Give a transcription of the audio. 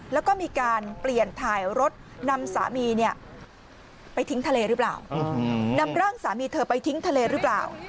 แล้วก็มีการเปลี่ยนถ่ายรถนำร่างสามีเธอไปทิ้งทะเลรึเปล่า